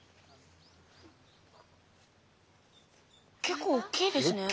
結構おっきいですね。